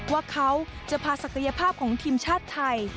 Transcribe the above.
ว่าเขาจะพาศักยภาพของทีมชาติไทย